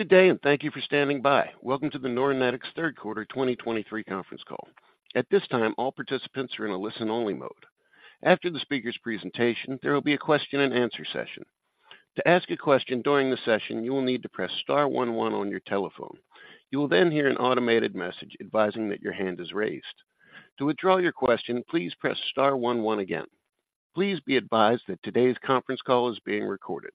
Good day, and thank you for standing by. Welcome to the Neuronetics third quarter 2023 conference call. At this time, all participants are in a listen-only mode. After the speaker's presentation, there will be a question-and-answer session. To ask a question during the session, you will need to press star one one on your telephone. You will then hear an automated message advising that your hand is raised. To withdraw your question, please press star one one again. Please be advised that today's conference call is being recorded.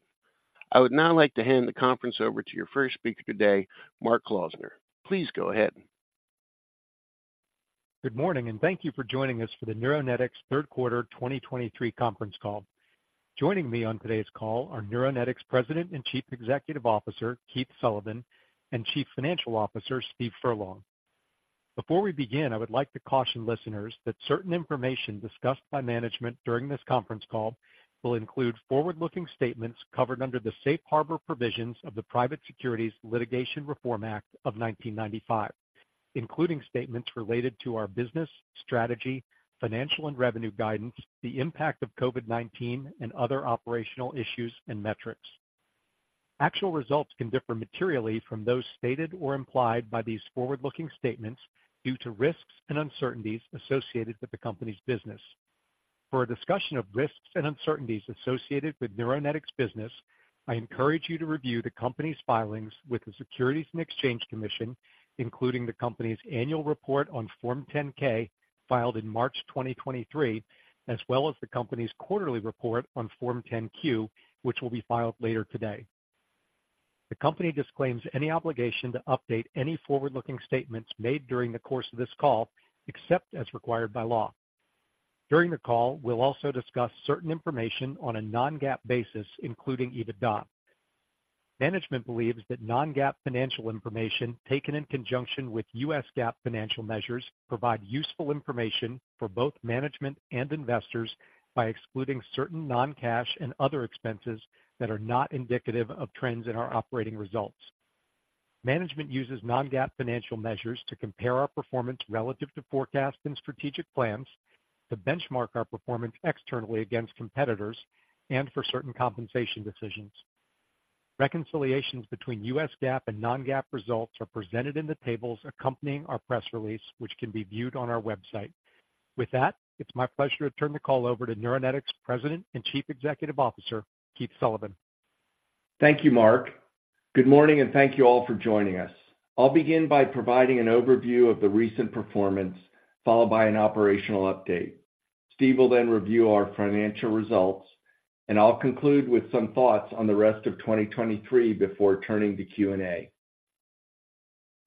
I would now like to hand the conference over to your first speaker today, Mark Klausner. Please go ahead. Good morning, and thank you for joining us for the Neuronetics third quarter 2023 conference call. Joining me on today's call are Neuronetics President and Chief Executive Officer, Keith Sullivan, and Chief Financial Officer, Steve Furlong. Before we begin, I would like to caution listeners that certain information discussed by management during this conference call will include forward-looking statements covered under the Safe Harbor provisions of the Private Securities Litigation Reform Act of 1995, including statements related to our business, strategy, financial and revenue guidance, the impact of COVID-19, and other operational issues and metrics. Actual results can differ materially from those stated or implied by these forward-looking statements due to risks and uncertainties associated with the company's business. For a discussion of risks and uncertainties associated with Neuronetics' business, I encourage you to review the company's filings with the Securities and Exchange Commission, including the company's annual report on Form 10-K, filed in March 2023, as well as the company's quarterly report on Form 10-Q, which will be filed later today. The company disclaims any obligation to update any forward-looking statements made during the course of this call, except as required by law. During the call, we'll also discuss certain information on a non-GAAP basis, including EBITDA. Management believes that non-GAAP financial information taken in conjunction with U.S. GAAP financial measures, provide useful information for both management and investors by excluding certain non-cash and other expenses that are not indicative of trends in our operating results. Management uses non-GAAP financial measures to compare our performance relative to forecasts and strategic plans, to benchmark our performance externally against competitors, and for certain compensation decisions. Reconciliations between U.S. GAAP and non-GAAP results are presented in the tables accompanying our press release, which can be viewed on our website. With that, it's my pleasure to turn the call over to Neuronetics President and Chief Executive Officer, Keith Sullivan. Thank you, Mark. Good morning, and thank you all for joining us. I'll begin by providing an overview of the recent performance, followed by an operational update. Steve will then review our financial results, and I'll conclude with some thoughts on the rest of 2023 before turning to Q&A.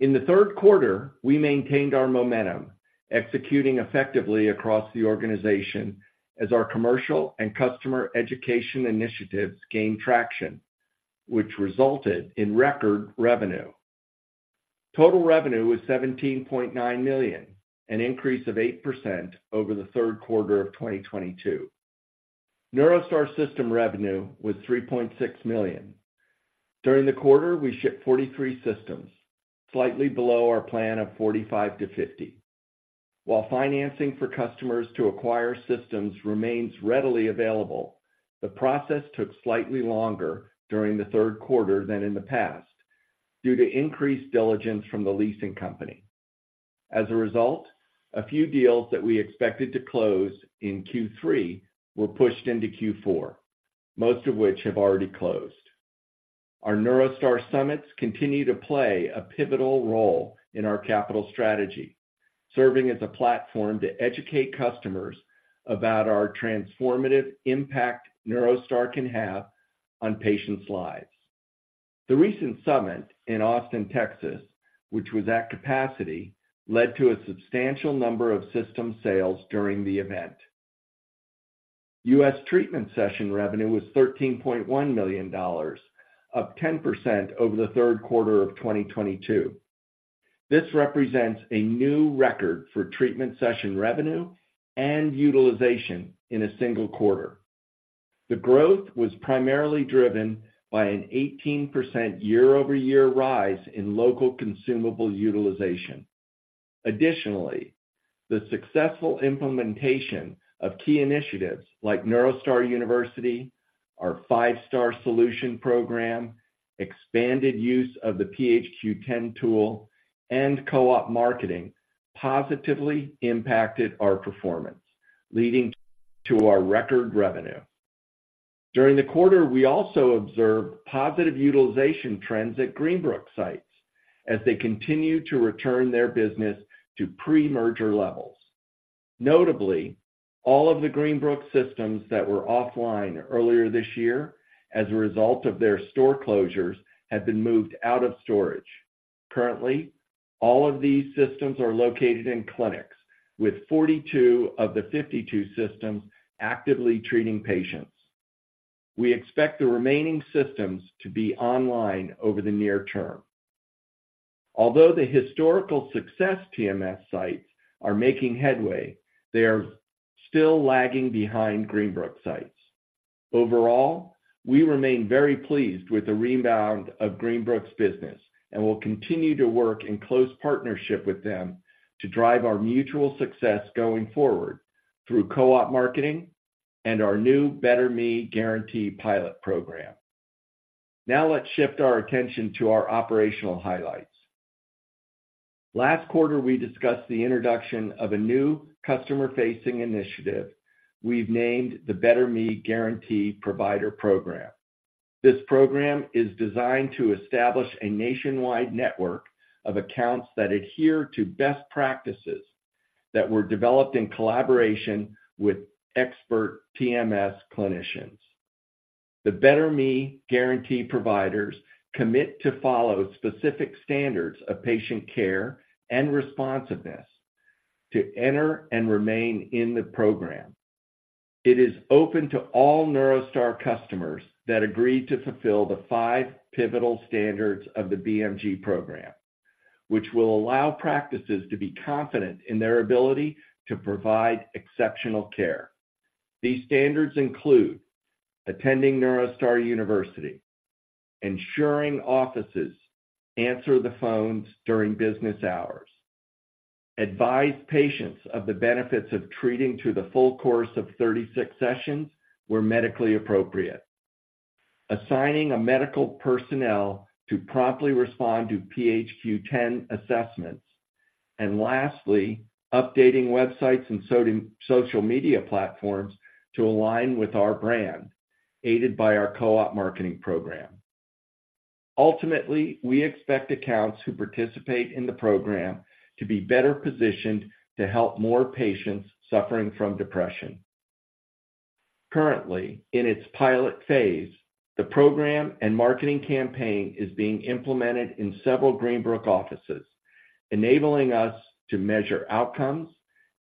In the third quarter, we maintained our momentum, executing effectively across the organization as our commercial and customer education initiatives gained traction, which resulted in record revenue. Total revenue was $17.9 million, an increase of 8% over the third quarter of 2022. NeuroStar system revenue was $3.6 million. During the quarter, we shipped 43 systems, slightly below our plan of 45-50. While financing for customers to acquire systems remains readily available, the process took slightly longer during the third quarter than in the past due to increased diligence from the leasing company. As a result, a few deals that we expected to close in Q3 were pushed into Q4, most of which have already closed. Our NeuroStar summits continue to play a pivotal role in our capital strategy, serving as a platform to educate customers about our transformative impact NeuroStar can have on patients' lives. The recent summit in Austin, Texas, which was at capacity, led to a substantial number of system sales during the event. U.S. treatment session revenue was $13.1 million, up 10% over the third quarter of 2022. This represents a new record for treatment session revenue and utilization in a single quarter. The growth was primarily driven by an 18% year-over-year rise in local consumable utilization. Additionally, the successful implementation of key initiatives like NeuroStar University, our 5-Star Solution program, expanded use of the PHQ-10 tool, and co-op marketing positively impacted our performance, leading to our record revenue. During the quarter, we also observed positive utilization trends at Greenbrook sites as they continue to return their business to pre-merger levels. Notably, all of the Greenbrook systems that were offline earlier this year as a result of their store closures, have been moved out of storage. Currently, all of these systems are located in clinics, with 42 of the 52 systems actively treating patients. We expect the remaining systems to be online over the near term. Although the historical Success TMS sites are making headway, they are still lagging behind Greenbrook sites. Overall, we remain very pleased with the rebound of Greenbrook's business and will continue to work in close partnership with them to drive our mutual success going forward through co-op marketing and our new Better Me Guarantee pilot program. Now let's shift our attention to our operational highlights. Last quarter, we discussed the introduction of a new customer-facing initiative we've named the Better Me Guarantee Provider Program. This program is designed to establish a nationwide network of accounts that adhere to best practices that were developed in collaboration with expert TMS clinicians. The Better Me Guarantee Providers commit to follow specific standards of patient care and responsiveness to enter and remain in the program. It is open to all NeuroStar customers that agree to fulfill the five pivotal standards of the BMG program, which will allow practices to be confident in their ability to provide exceptional care. These standards include attending NeuroStar University, ensuring offices answer the phones during business hours, advise patients of the benefits of treating to the full course of 36 sessions where medically appropriate, assigning a medical personnel to promptly respond to PHQ-10 assessments, and lastly, updating websites and social media platforms to align with our brand, aided by Co-op Marketing program. Ultimately, we expect accounts who participate in the program to be better positioned to help more patients suffering from depression. Currently, in its pilot phase, the program and marketing campaign is being implemented in several Greenbrook offices, enabling us to measure outcomes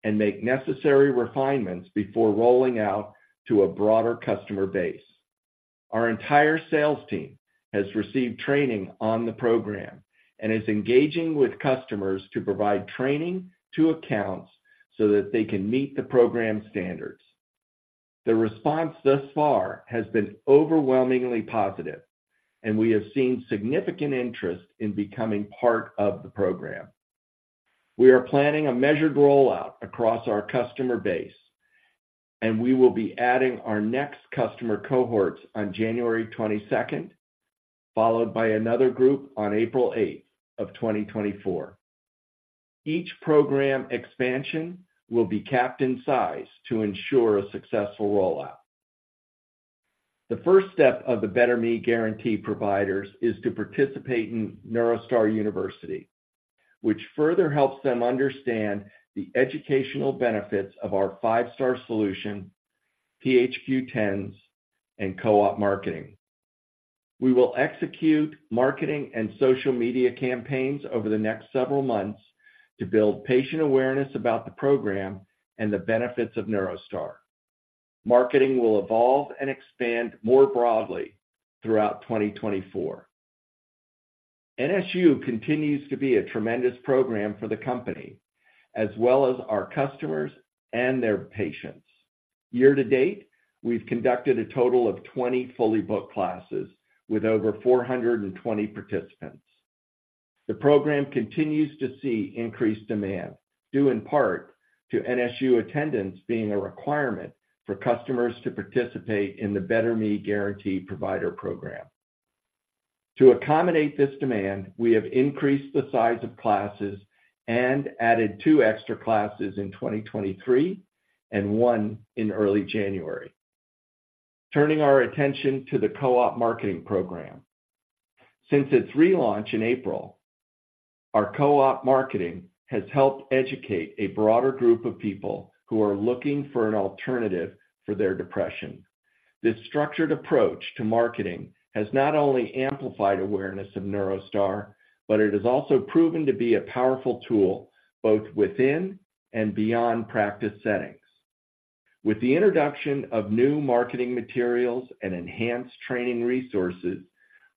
and make necessary refinements before rolling out to a broader customer base. Our entire sales team has received training on the program and is engaging with customers to provide training to accounts so that they can meet the program standards. The response thus far has been overwhelmingly positive, and we have seen significant interest in becoming part of the program. We are planning a measured rollout across our customer base, and we will be adding our next customer cohorts on January 22, followed by another group on April 8 of 2024. Each program expansion will be capped in size to ensure a successful rollout. The first step of the Better Me Guarantee Providers is to participate in NeuroStar University, which further helps them understand the educational benefits of our 5-Star Solution, PHQ-10s, and co-op marketing. We will execute marketing and social media campaigns over the next several months to build patient awareness about the program and the benefits of NeuroStar. Marketing will evolve and expand more broadly throughout 2024. NSU continues to be a tremendous program for the company, as well as our customers and their patients. Year to date, we've conducted a total of 20 fully booked classes with over 420 participants. The program continues to see increased demand, due in part to NSU attendance being a requirement for customers to participate in the Better Me Guarantee Provider Program. To accommodate this demand, we have increased the size of classes and added two extra classes in 2023 and one in early January. Turning our Co-op Marketing program. Since its relaunch in April, co-op marketing has helped educate a broader group of people who are looking for an alternative for their depression. This structured approach to marketing has not only amplified awareness of NeuroStar, but it has also proven to be a powerful tool both within and beyond practice settings. With the introduction of new marketing materials and enhanced training resources,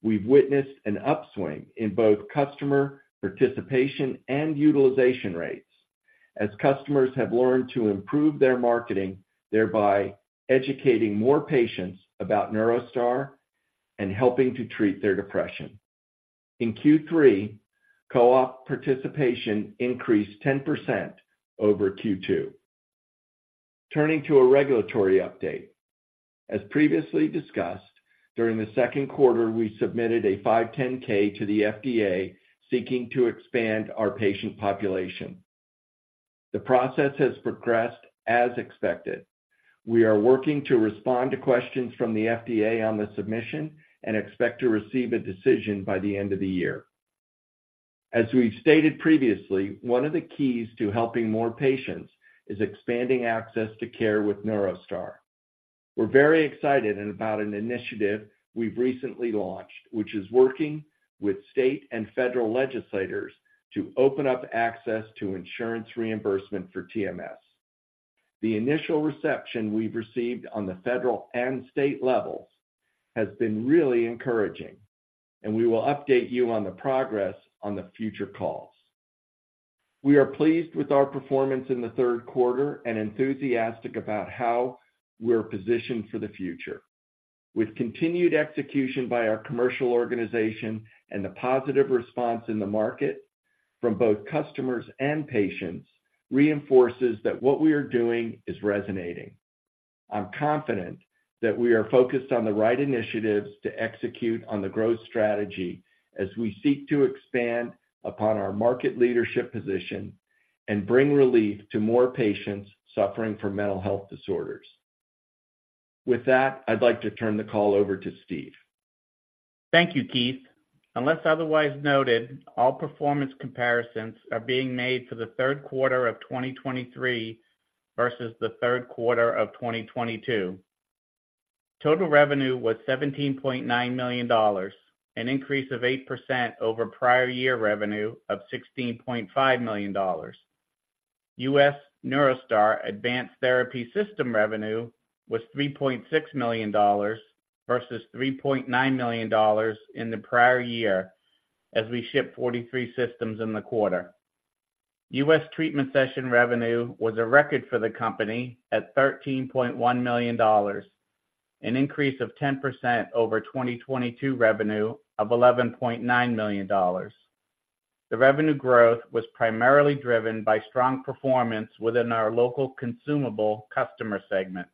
we've witnessed an upswing in both customer participation and utilization rates as customers have learned to improve their marketing, thereby educating more patients about NeuroStar and helping to treat their depression. In Q3, co-op participation increased 10% over Q2. Turning to a regulatory update. As previously discussed, during the second quarter, we submitted a 510(k) to the FDA. The process has progressed as expected. We are working to respond to questions from the FDA on the submission and expect to receive a decision by the end of the year. As we've stated previously, one of the keys to helping more patients is expanding access to care with NeuroStar. We're very excited about an initiative we've recently launched, which is working with state and federal legislators to open up access to insurance reimbursement for TMS. The initial reception we've received on the federal and state levels has been really encouraging, and we will update you on the progress on the future calls. We are pleased with our performance in the third quarter and enthusiastic about how we're positioned for the future... With continued execution by our commercial organization and the positive response in the market from both customers and patients, reinforces that what we are doing is resonating. I'm confident that we are focused on the right initiatives to execute on the growth strategy as we seek to expand upon our market leadership position and bring relief to more patients suffering from mental health disorders. With that, I'd like to turn the call over to Steve. Thank you, Keith. Unless otherwise noted, all performance comparisons are being made for the third quarter of 2023 versus the third quarter of 2022. Total revenue was $17.9 million, an increase of 8% over prior year revenue of $16.5 million. U.S. NeuroStar Advanced Therapy System revenue was $3.6 million, versus $3.9 million in the prior year, as we shipped 43 systems in the quarter. U.S. treatment session revenue was a record for the company at $13.1 million, an increase of 10% over 2022 revenue of $11.9 million. The revenue growth was primarily driven by strong performance within our local consumable customer segment.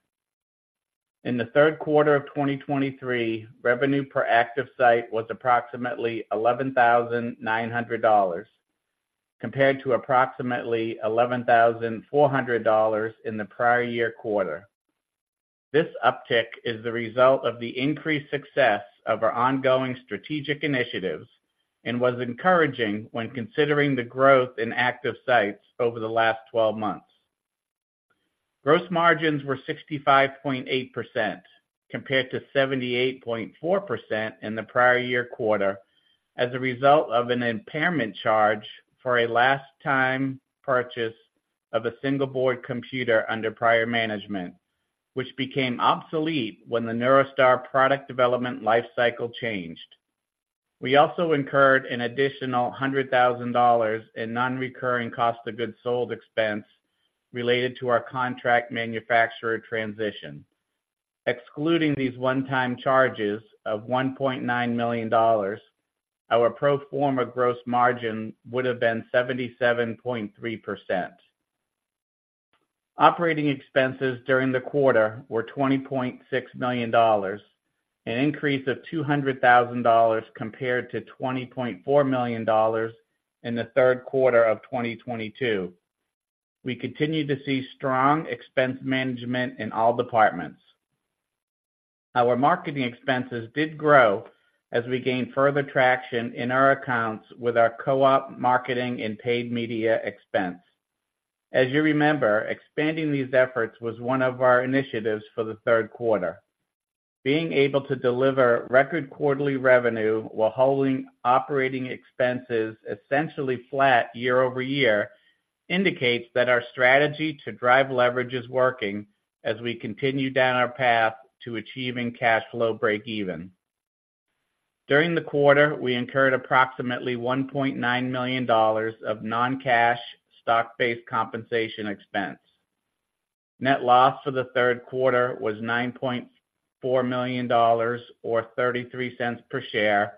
In the third quarter of 2023, revenue per active site was approximately $11,900, compared to approximately $11,400 in the prior year quarter. This uptick is the result of the increased success of our ongoing strategic initiatives and was encouraging when considering the growth in active sites over the last 12 months. Gross margins were 65.8%, compared to 78.4% in the prior year quarter, as a result of an impairment charge for a last time purchase of a single board computer under prior management, which became obsolete when the NeuroStar product development life cycle changed. We also incurred an additional $100,000 in non-recurring cost of goods sold expense related to our contract manufacturer transition. Excluding these one-time charges of $1.9 million, our pro forma gross margin would have been 77.3%. Operating expenses during the quarter were $20.6 million, an increase of $200,000 compared to $20.4 million in the third quarter of 2022. We continue to see strong expense management in all departments. Our marketing expenses did grow as we gained further traction in our accounts with co-op marketing and paid media expense. As you remember, expanding these efforts was one of our initiatives for the third quarter. Being able to deliver record quarterly revenue while holding operating expenses essentially flat year over year, indicates that our strategy to drive leverage is working as we continue down our path to achieving cash flow breakeven. During the quarter, we incurred approximately $1.9 million of non-cash stock-based compensation expense. Net loss for the third quarter was $9.4 million, or $0.33 per share,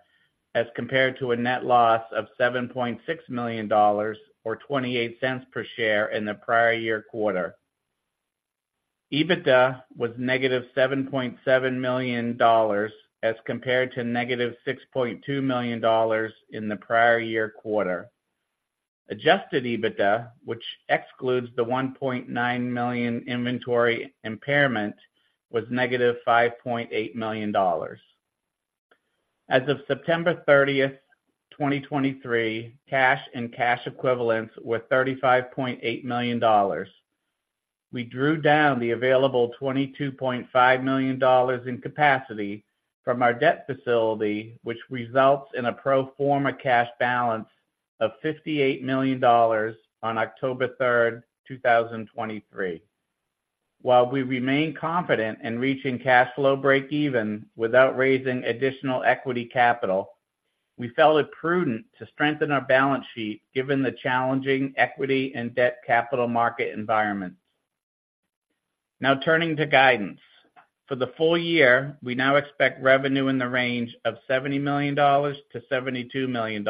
as compared to a net loss of $7.6 million, or $0.28 per share in the prior year quarter. EBITDA was -$7.7 million, as compared to -$6.2 million in the prior year quarter. Adjusted EBITDA, which excludes the $1.9 million inventory impairment, was -$5.8 million. As of September 30th, 2023, cash and cash equivalents were $35.8 million. We drew down the available $22.5 million in capacity from our debt facility, which results in a pro forma cash balance of $58 million on October 3rd, 2023. While we remain confident in reaching cash flow breakeven without raising additional equity capital, we felt it prudent to strengthen our balance sheet, given the challenging equity and debt capital market environment. Now, turning to guidance. For the full year, we now expect revenue in the range of $70 million-$72 million,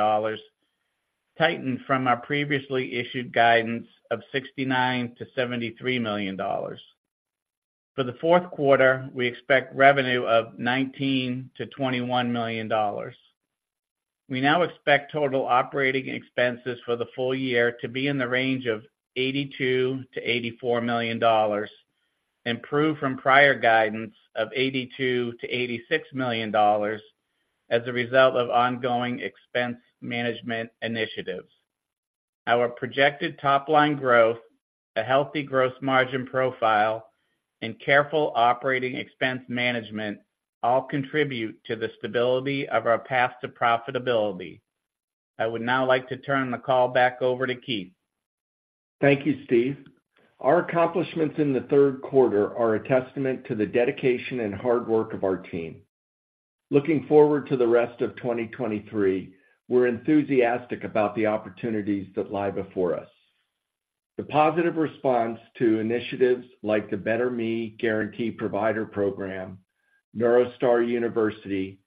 tightened from our previously issued guidance of $69 million-$73 million. For the fourth quarter, we expect revenue of $19 million-$21 million. We now expect total operating expenses for the full year to be in the range of $82 million-$84 million, improved from prior guidance of $82 million-$86 million as a result of ongoing expense management initiatives. Our projected top-line growth, a healthy gross margin profile, and careful operating expense management all contribute to the stability of our path to profitability. I would now like to turn the call back over to Keith. Thank you, Steve. Our accomplishments in the third quarter are a testament to the dedication and hard work of our team.... Looking forward to the rest of 2023, we're enthusiastic about the opportunities that lie before us. The positive response to initiatives like the Better Me Guarantee Provider Program, NeuroStar University,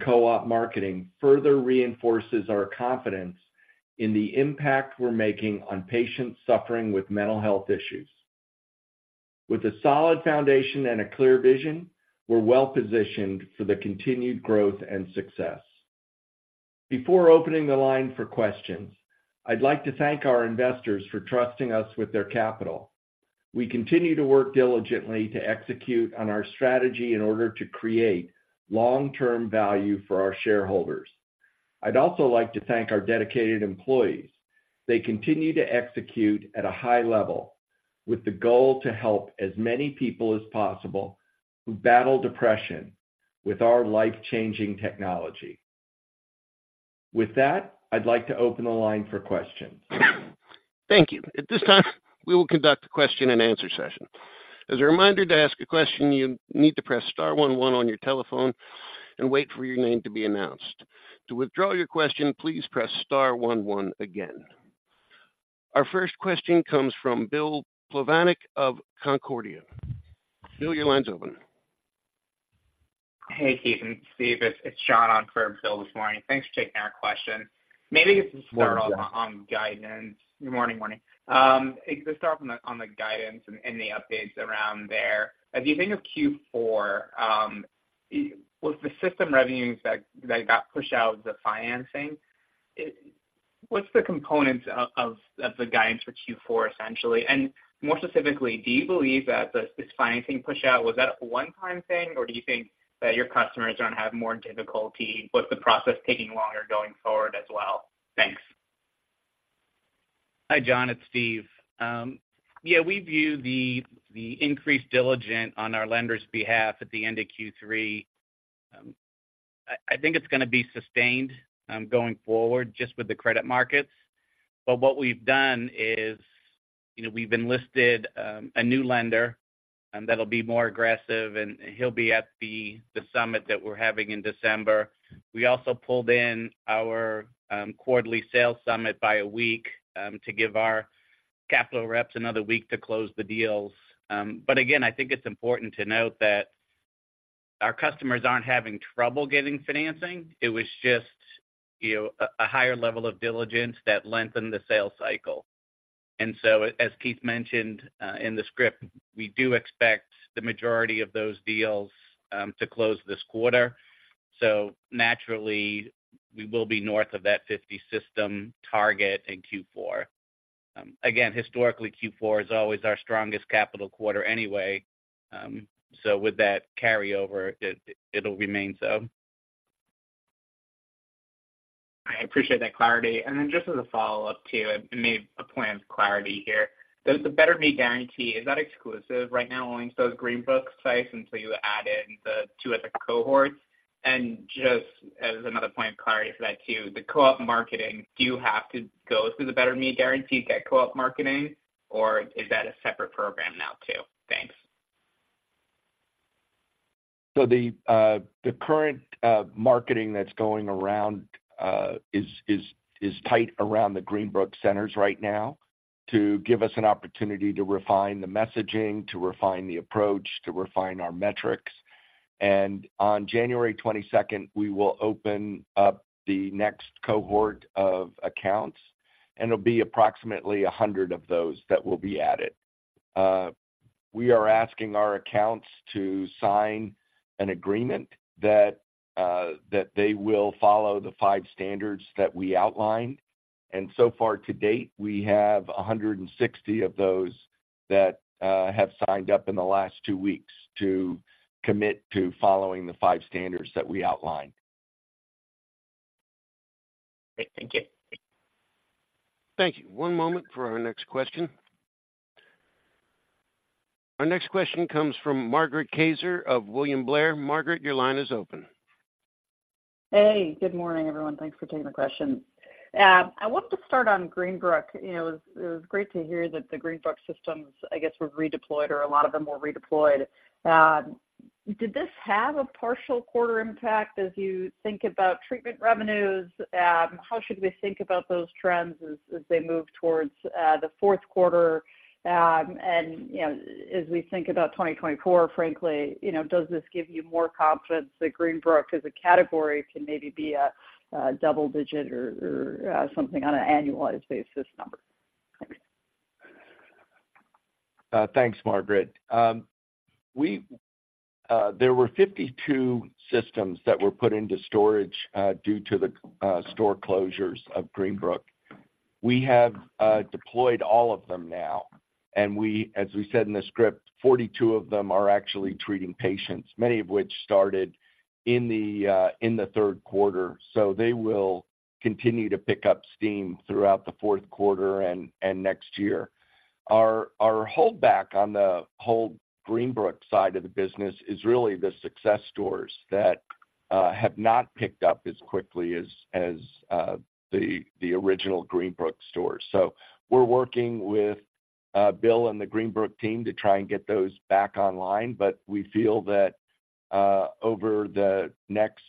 co-op marketing further reinforces our confidence in the impact we're making on patients suffering with mental health issues. With a solid foundation and a clear vision, we're well positioned for the continued growth and success. Before opening the line for questions, I'd like to thank our investors for trusting us with their capital. We continue to work diligently to execute on our strategy in order to create long-term value for our shareholders. I'd also like to thank our dedicated employees. They continue to execute at a high level, with the goal to help as many people as possible who battle depression with our life-changing technology. With that, I'd like to open the line for questions. Thank you. At this time, we will conduct a question-and-answer session. As a reminder to ask a question, you need to press star one, one on your telephone and wait for your name to be announced. To withdraw your question, please press star one, one again. Our first question comes from Bill Plovanic of Canaccord. Bill, your line's open. Hey, Keith and Steve, it's John on for Bill this morning. Thanks for taking our question. Maybe to start on guidance. Good morning. To start off on the guidance and the updates around there. As you think of Q4, was the system revenues that got pushed out the financing? What's the components of the guidance for Q4, essentially? And more specifically, do you believe that this financing push out was that a one-time thing, or do you think that your customers are gonna have more difficulty with the process taking longer going forward as well? Thanks. Hi, John, it's Steve. Yeah, we view the increased diligence on our lender's behalf at the end of Q3. I think it's gonna be sustained going forward, just with the credit markets. But what we've done is, you know, we've enlisted a new lender, and that'll be more aggressive, and he'll be at the summit that we're having in December. We also pulled in our quarterly sales summit by a week to give our capital reps another week to close the deals. But again, I think it's important to note that our customers aren't having trouble getting financing. It was just, you know, a higher level of diligence that lengthened the sales cycle. And so as Keith mentioned in the script, we do expect the majority of those deals to close this quarter. So naturally, we will be north of that 50 system target in Q4. Again, historically, Q4 is always our strongest capital quarter anyway. So with that carryover, it'll remain so. I appreciate that clarity. And then just as a follow-up too, and maybe a point of clarity here. Does the Better Me Guarantee, is that exclusive right now, only those Greenbrook sites until you add in the two other cohorts? And just as another point of clarity for that too, co-op marketing, do you have to go through the Better Me Guarantee to co-op marketing, or is that a separate program now, too? Thanks. So the current marketing that's going around is tight around the Greenbrook centers right now to give us an opportunity to refine the messaging, to refine the approach, to refine our metrics. And on January twenty-second, we will open up the next cohort of accounts, and it'll be approximately 100 of those that will be added. We are asking our accounts to sign an agreement that they will follow the five standards that we outlined, and so far to date, we have 160 of those that have signed up in the last two weeks to commit to following the five standards that we outlined. Great. Thank you. Thank you. One moment for our next question. Our next question comes from Margaret Kaczor of William Blair. Margaret, your line is open. Hey, good morning, everyone. Thanks for taking the question. I wanted to start on Greenbrook. You know, it was, it was great to hear that the Greenbrook systems, I guess, were redeployed, or a lot of them were redeployed. Did this have a partial quarter impact as you think about treatment revenues? How should we think about those trends as they move towards the fourth quarter? And you know, as we think about 2024, frankly, you know, does this give you more confidence that Greenbrook, as a category, can maybe be a double digit or something on an annualized basis number? Thanks, Margaret. We there were 52 systems that were put into storage due to the store closures of Greenbrook. We have deployed all of them now, and, as we said in the script, 42 of them are actually treating patients, many of which started in the third quarter. So they will continue to pick up steam throughout the fourth quarter and next year. Our holdback on the whole Greenbrook side of the business is really the Success stores that have not picked up as quickly as the original Greenbrook stores. So we're working with Bill and the Greenbrook team to try and get those back online. But we feel that over the next,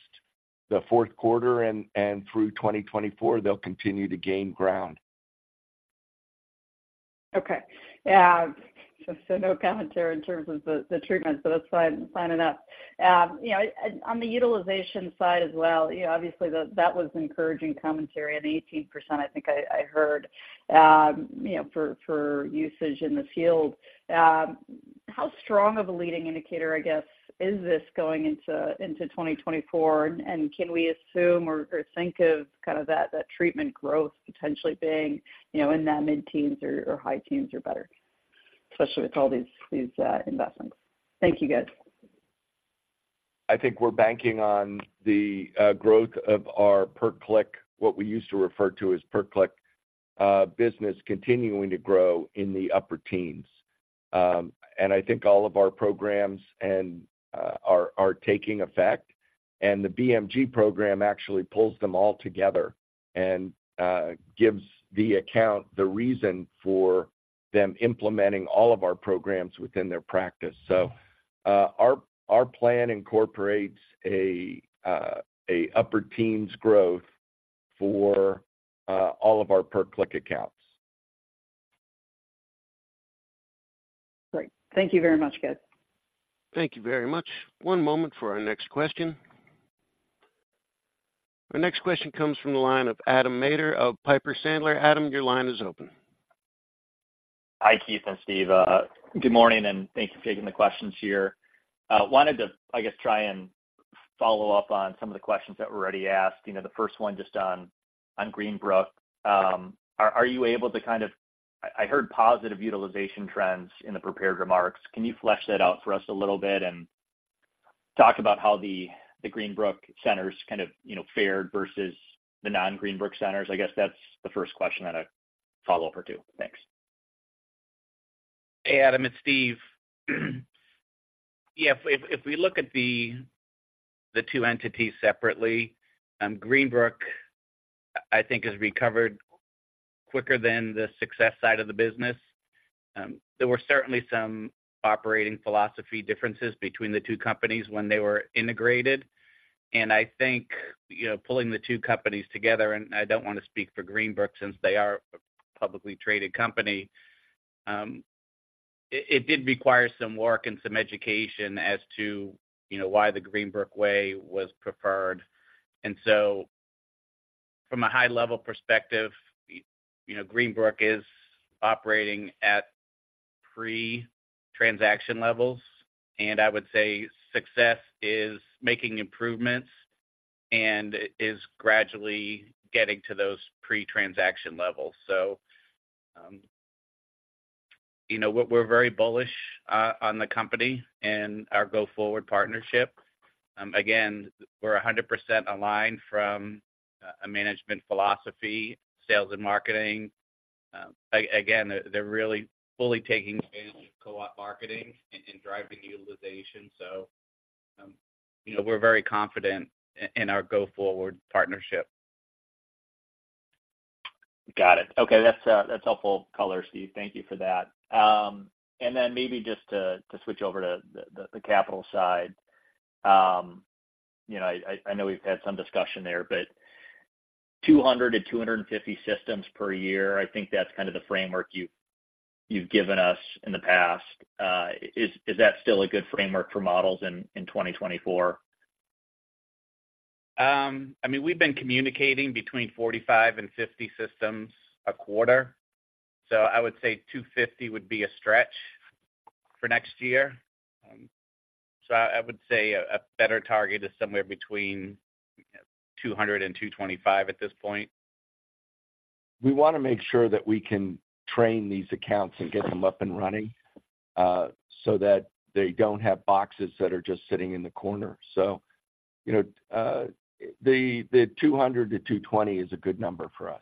the fourth quarter and through 2024, they'll continue to gain ground. Okay. Yeah, so no comment there in terms of the treatment, so that's fine enough. You know, and on the utilization side as well, you know, obviously, that was encouraging commentary on the 18%, I think I heard, you know, for usage in the field. How strong of a leading indicator, I guess, is this going into 2024? And can we assume or think of kind of that treatment growth potentially being, you know, in that mid-teens or high teens or better, especially with all these investments? Thank you, guys. I think we're banking on the growth of our per-click, what we used to refer to as per-click, business, continuing to grow in the upper teens. And I think all of our programs and are taking effect, and the BMG program actually pulls them all together and gives the account the reason for them implementing all of our programs within their practice. So, our plan incorporates a upper teens growth for all of our per-click accounts. Great. Thank you very much, guys. Thank you very much. One moment for our next question. Our next question comes from the line of Adam Maeder of Piper Sandler. Adam, your line is open. Hi, Keith and Steve. Good morning, and thank you for taking the questions here. Wanted to, I guess, try and follow up on some of the questions that were already asked. You know, the first one just on Greenbrook. Are you able to kind of... I heard positive utilization trends in the prepared remarks. Can you flesh that out for us a little bit and talk about how the Greenbrook centers kind of, you know, fared versus the non-Greenbrook centers? I guess that's the first question and a follow-up or two. Thanks. Hey, Adam, it's Steve. Yeah, if we look at the two entities separately, Greenbrook, I think, has recovered quicker than the Success side of the business. There were certainly some operating philosophy differences between the two companies when they were integrated, and I think, you know, pulling the two companies together, and I don't want to speak for Greenbrook since they are a publicly traded company, it did require some work and some education as to, you know, why the Greenbrook way was preferred. And so from a high-level perspective, you know, Greenbrook is operating at pre-transaction levels, and I would say Success is making improvements and is gradually getting to those pre-transaction levels. So, you know, we're very bullish on the company and our go-forward partnership. Again, we're 100% aligned from a management philosophy, sales, and marketing. Again, they're really fully taking co-op marketing and driving utilization. So, you know, we're very confident in our go-forward partnership. Got it. Okay, that's helpful color, Steve. Thank you for that. And then maybe just to switch over to the capital side. You know, I know we've had some discussion there, but 200-250 systems per year, I think that's kind of the framework you've given us in the past. Is that still a good framework for models in 2024? I mean, we've been communicating between 45 and 50 systems a quarter, so I would say 250 would be a stretch for next year. So I would say a better target is somewhere between 200 and 225 at this point. We wanna make sure that we can train these accounts and get them up and running, so that they don't have boxes that are just sitting in the corner. So, you know, the 200-220 is a good number for us.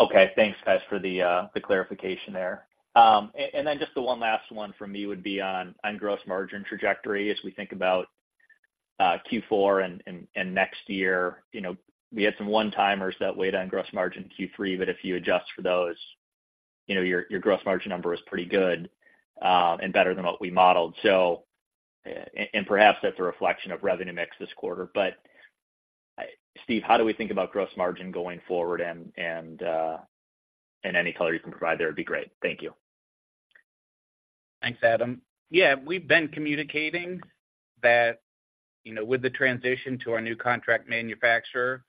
Okay. Thanks, guys, for the clarification there. And then just the one last one from me would be on gross margin trajectory as we think about Q4 and next year. You know, we had some one-timers that weighed on gross margin Q3, but if you adjust for those, you know, your gross margin number is pretty good and better than what we modeled. Perhaps that's a reflection of revenue mix this quarter. But Steve, how do we think about gross margin going forward? And any color you can provide there would be great. Thank you. Thanks, Adam. Yeah, we've been communicating that, you know, with the transition to our new contract manufacturer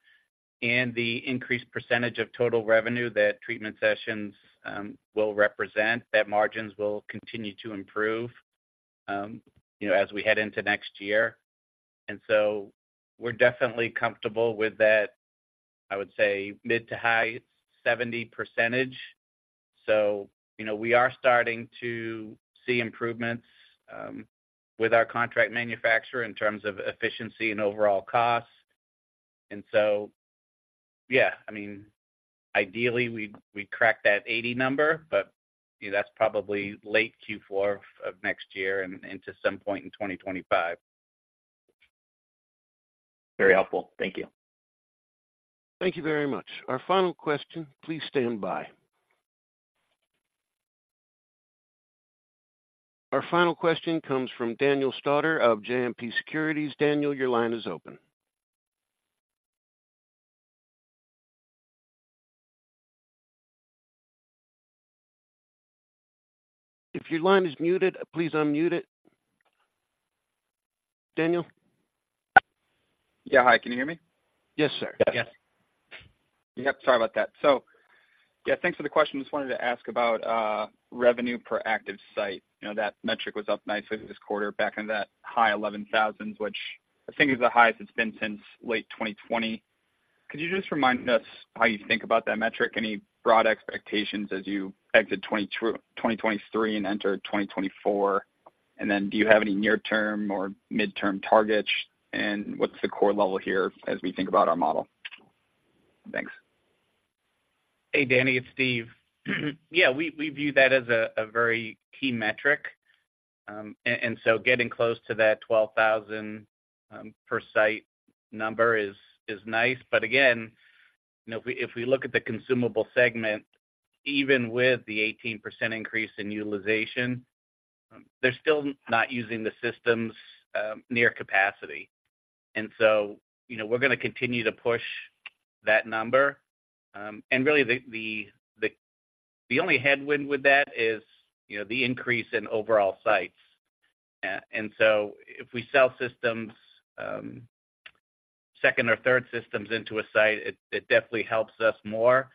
and the increased percentage of total revenue, that treatment sessions will represent, that margins will continue to improve, you know, as we head into next year. And so we're definitely comfortable with that, I would say mid- to high-70%. So, you know, we are starting to see improvements with our contract manufacturer in terms of efficiency and overall costs. And so, yeah, I mean, ideally, we'd, we'd crack that 80% number, but, you know, that's probably late Q4 of next year and into some point in 2025. Very helpful. Thank you. Thank you very much. Our final question, please stand by. Our final question comes from Daniel Stauder of JMP Securities. Daniel, your line is open. If your line is muted, please unmute it. Daniel? Yeah. Hi, can you hear me? Yes, sir. Yes. Yep, sorry about that. So, yeah, thanks for the question. Just wanted to ask about revenue per active site. You know, that metric was up nicely this quarter, back into that high 11,000s, which I think is the highest it's been since late 2020. Could you just remind us how you think about that metric? Any broad expectations as you exit 2023 and enter 2024? And then, do you have any near-term or midterm targets, and what's the core level here as we think about our model? Thanks. Hey, Danny, it's Steve. Yeah, we view that as a very key metric. And so getting close to that 12,000 per site number is nice. But again, you know, if we look at the consumable segment, even with the 18% increase in utilization, they're still not using the systems near capacity. And so, you know, we're gonna continue to push that number. And really, the only headwind with that is, you know, the increase in overall sites. And so if we sell systems, second or third systems into a site, it definitely helps us more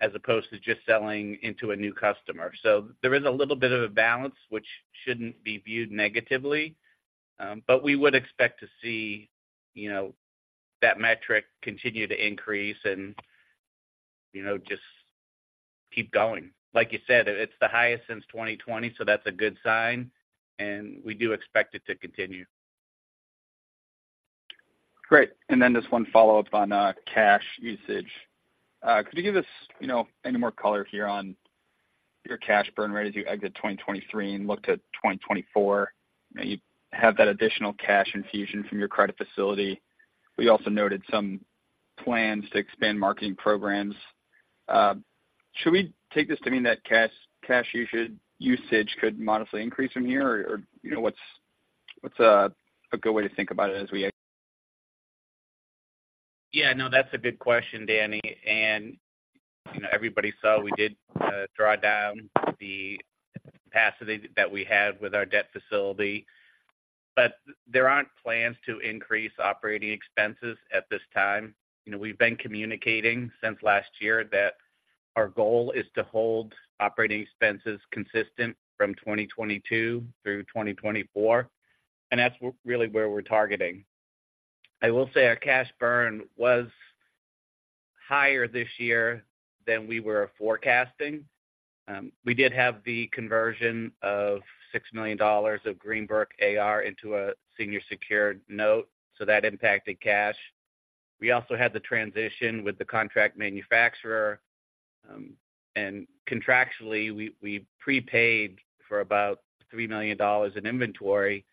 as opposed to just selling into a new customer. So there is a little bit of a balance, which shouldn't be viewed negatively. But we would expect to see, you know, that metric continue to increase and, you know, just keep going. Like you said, it's the highest since 2020, so that's a good sign, and we do expect it to continue. Great. And then just one follow-up on cash usage. Could you give us, you know, any more color here on your cash burn rate as you exit 2023 and look to 2024? You have that additional cash infusion from your credit facility. We also noted some plans to expand marketing programs. Should we take this to mean that cash usage could modestly increase from here, or, you know, what's a good way to think about it as we exit? Yeah, no, that's a good question, Danny. You know, everybody saw we did draw down the capacity that we had with our debt facility, but there aren't plans to increase operating expenses at this time. You know, we've been communicating since last year that our goal is to hold operating expenses consistent from 2022 through 2024, and that's really where we're targeting. I will say our cash burn was higher this year than we were forecasting. We did have the conversion of $6 million of Greenbrook AR into a senior secured note, so that impacted cash. We also had the transition with the contract manufacturer, and contractually we prepaid for about $3 million in inventory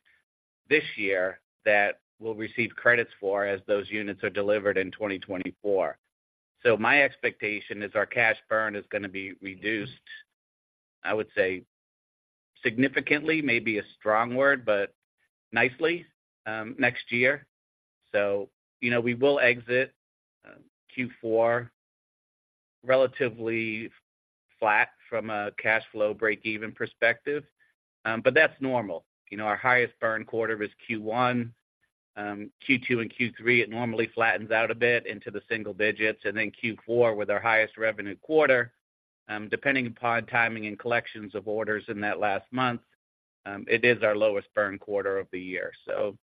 this year that we'll receive credits for as those units are delivered in 2024. So my expectation is our cash burn is gonna be reduced. I would say significantly, may be a strong word, but nicely, next year. So, you know, we will exit Q4 relatively flat from a cash flow break-even perspective, but that's normal. You know, our highest burn quarter is Q1. Q2 and Q3, it normally flattens out a bit into the single digits, and then Q4 with our highest revenue quarter. Depending upon timing and collections of orders in that last month, it is our lowest burn quarter of the year. So,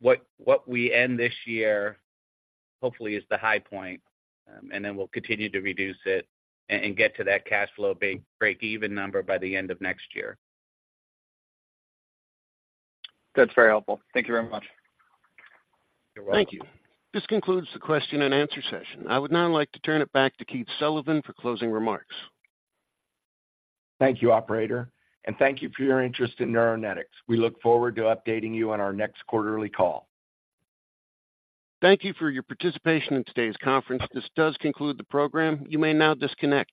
what we end this year hopefully is the high point, and then we'll continue to reduce it and get to that cash flow break-even number by the end of next year. That's very helpful. Thank you very much. You're welcome. Thank you. This concludes the question and answer session. I would now like to turn it back to Keith Sullivan for closing remarks. Thank you, operator, and thank you for your interest in Neuronetics. We look forward to updating you on our next quarterly call. Thank you for your participation in today's conference. This does conclude the program. You may now disconnect.